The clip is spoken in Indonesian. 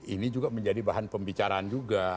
ini juga menjadi bahan pembicaraan juga